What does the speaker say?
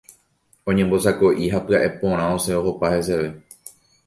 Oñembosako'i ha pya'e porã osẽ ohopa heseve.